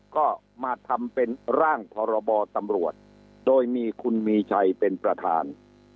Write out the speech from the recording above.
ก็มาทำเป็นร่างพรบตำรวจโดยมีคุณมีชัยเป็นประธาน